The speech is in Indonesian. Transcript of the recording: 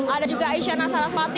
ada juga aisyah nasaraswati